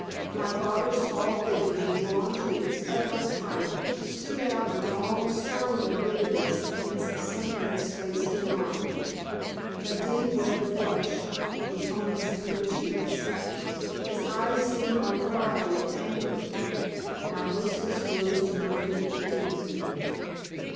My father's tall figure, drawn to its utmost height, stood out with almost startling vividness against the sunlit space beyond. A deep red flush was on his pale cheeks. His eyes seemed on fire with anger. My hostess rose to her feet with dignity.